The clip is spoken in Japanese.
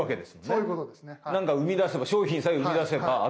そういうことですね。